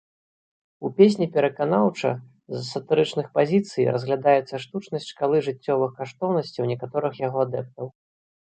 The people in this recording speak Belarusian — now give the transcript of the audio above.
У песні пераканаўча, з сатырычных пазіцый, разглядаецца штучнасць шкалы жыццёвых каштоўнасцяў некаторых яго адэптаў.